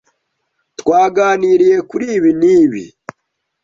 Twaganiriye kuri ibi n'ibi.